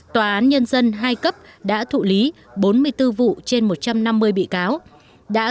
tòa án nhân dân hai cấp đã thụ lý bốn mươi bốn vụ trên một trăm năm mươi bị cáo